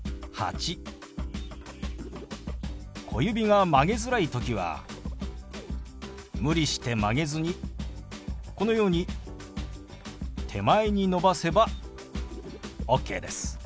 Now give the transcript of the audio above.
小指が曲げづらい時は無理して曲げずにこのように手前に伸ばせばオッケーです。